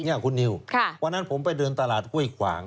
คุณนิววันนั้นผมไปเดินตลาดห้วยขวาง